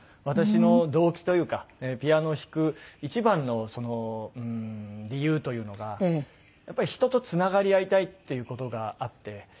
私の動機というかピアノを弾く一番の理由というのがやっぱり人とつながり合いたいっていう事があって。